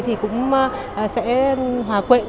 thì cũng sẽ hòa quyện